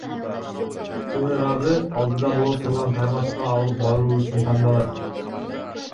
Тыңыраагы алдыда боло турган таймашка алып баруу үчүн тандалат.